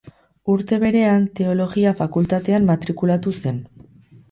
Urte berean Teologia Fakultatean matrikulatu zen.